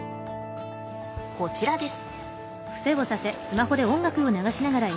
こちらです。